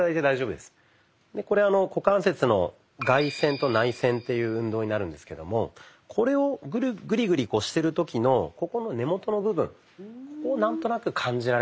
でこれ股関節の外旋と内旋という運動になるんですけどもこれをグリグリしてる時のここの根元の部分ここを何となく感じられますかね。